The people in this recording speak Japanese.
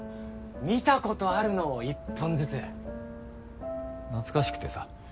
観たことあるのを１本ずつ？懐かしくてさ。